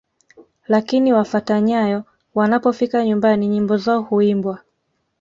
Lakini wafata nyayo wanapofika nyumbani nyimbo zao huimbwa